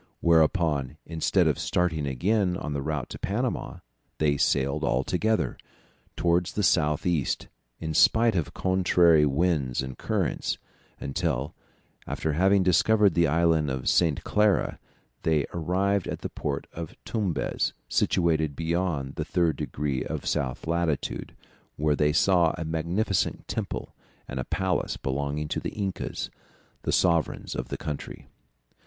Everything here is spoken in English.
Whereupon, instead of starting again on the route to Panama, they sailed all together, towards the south east, in spite of contrary winds and currents, until, after having discovered the Island of St. Clara, they arrived at the port of Tumbez, situated beyond the 3 degrees of south latitude, where they saw a magnificent temple and a palace belonging to the Incas, the sovereigns of the country.